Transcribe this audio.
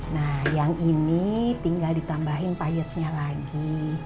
nah yang ini tinggal ditambahin payetnya lagi